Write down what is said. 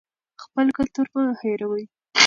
خپل کلتور مه هېروئ.